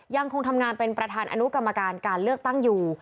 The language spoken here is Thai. ยังคงทำงานเป็นประธานอนุกรรมการการเลือกตั้งอยู่